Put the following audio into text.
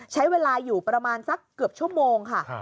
ใช้เวลาอยู่ประมาณสักเกือบชั่วโมงค่ะ